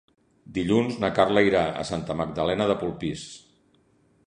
Dilluns na Carla irà a Santa Magdalena de Polpís.